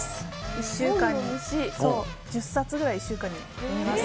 １週間に１０冊ぐらい、１週間に読みます。